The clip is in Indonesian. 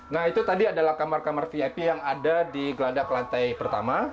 nah itu tadi adalah kamar kamar vip yang ada di geladak lantai pertama